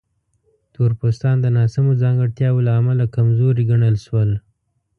تور پوستان د ناسمو ځانګړتیاوو له امله کمزوري ګڼل شول.